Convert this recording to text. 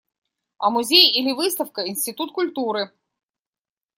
А музей или выставка – институт культуры.